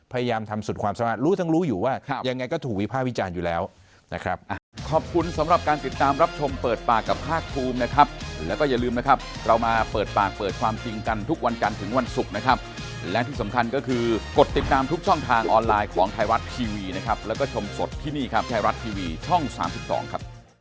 พยายามทำสุดความสามารถรู้ทั้งรู้อยู่ว่ายังไงก็ถูกวิภาควิจารณ์อยู่แล้วนะครับ